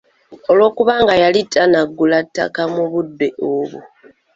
Olw'okubanga yali tannagula ttaka mu budde obwo.